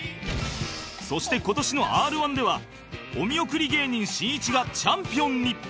そして今年の Ｒ−１ ではお見送り芸人しんいちがチャンピオンに